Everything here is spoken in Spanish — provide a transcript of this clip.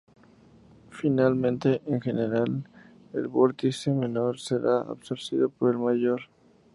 Finalmente, en general, el vórtice menor será absorbido por el mayor.